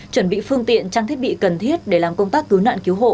chuẩn bị phương tiện trang thiết bị cần thiết để làm công tác cứu nạn cứu hộ